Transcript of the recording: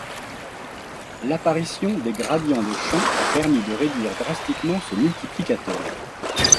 L'apparition des gradients de champ a permis de réduire drastiquement ce multiplicateur.